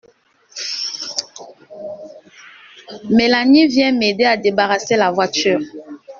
Mélanie, viens m’aider à débarrasser la voiture!